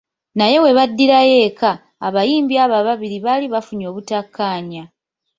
Naye webaddirayo eka, abayimbi abo ababiri baali bafunye obutakaanya.